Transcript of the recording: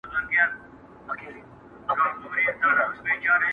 کيسه د عبرت بڼه اخلي تل،